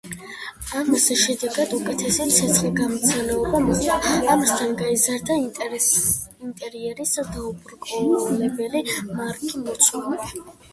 ამას შედეგად უკეთესი ცეცხლგამძლეობა მოჰყვა, ამასთან გაიზარდა ინტერიერის დაუბრკოლებელი მარგი მოცულობა.